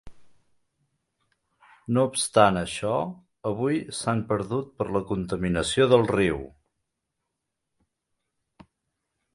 No obstant això, avui s'han perdut per la contaminació del riu.